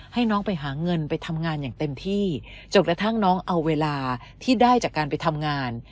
ให้น้องไปหาเงินไปทำงานอย่างเต็มที่จนกระทั่งน้องเอาเวลาที่ได้จากการไปทำงาน